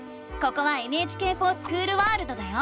ここは「ＮＨＫｆｏｒＳｃｈｏｏｌワールド」だよ！